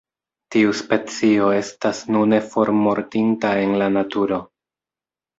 Tiu specio estas nune formortinta en la naturo.